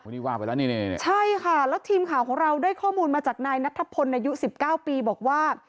หัวไว้แล้วนี่นี่ใช่ค่ะแล้วทีมข่าวของเราได้ข้อมูลมาจากนายนัทพลในยุสิบเก้าปีบอกว่า